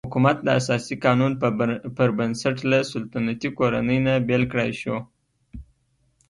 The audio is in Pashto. حکومت د اساسي قانون پر بنسټ له سلطنتي کورنۍ نه بېل کړای شو.